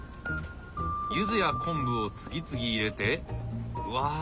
ゆずや昆布を次々入れてうわ